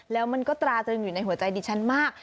แล้วมันก็ตราจึงอยู่ในหัวใจดิฉันมาก